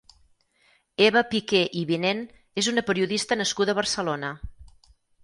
Eva Piquer i Vinent és una periodista nascuda a Barcelona.